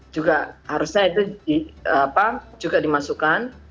juga harusnya itu juga dimasukkan